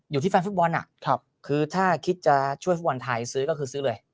อยู่ที่แฟนฟุตบอลคือถ้าคิดจะช่วยฟุตบอลไทยซื้อก็คือซื้อเลย